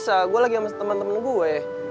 gue gak bisa gue lagi sama temen temen gue